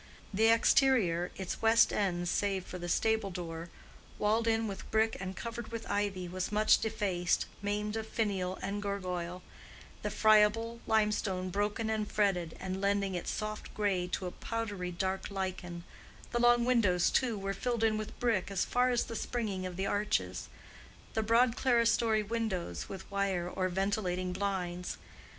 The exterior—its west end, save for the stable door, walled in with brick and covered with ivy—was much defaced, maimed of finial and gargoyle, the friable limestone broken and fretted, and lending its soft gray to a powdery dark lichen; the long windows, too, were filled in with brick as far as the springing of the arches, the broad clerestory windows with wire or ventilating blinds.